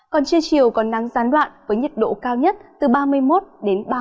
còn trưa chiều còn nắng gián đoạn với nhiệt độ cao nhất từ ba mươi một đến ba mươi độ